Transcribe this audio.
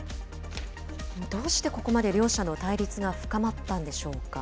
どうしてここまで両者の対立が深まったんでしょうか。